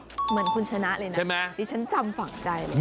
เหมือนคุณชนะเลยนะดิฉันจำฝั่งใจเลยใช่ไหม